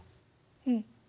うん。